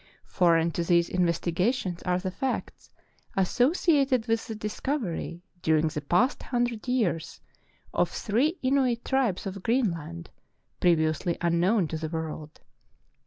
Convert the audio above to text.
Foreign to these investigations are the facts associated with the discovery during the past hundred years of three Inuit tribes of Greenland previously unknown to the world.